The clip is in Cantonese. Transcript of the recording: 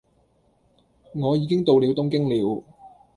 我已經到了東京了，